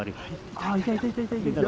あいたいたいたいた！